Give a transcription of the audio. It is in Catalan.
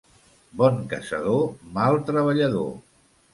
Bon caçador, mal treballador.